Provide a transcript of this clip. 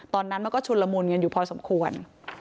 ตอนนั้นมันก็ชุนละมุนกันอยู่พอสมควร